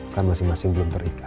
kan masing masing belum terikat